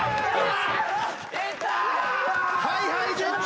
いった！ＨｉＨｉＪｅｔｓ